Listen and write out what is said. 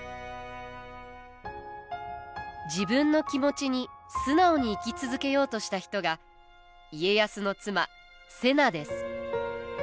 自分の気持ちに素直に生き続けようとした人が家康の妻瀬名です。